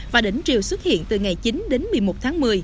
và đỉnh triều xuất hiện từ ngày chín đến một mươi một tháng một mươi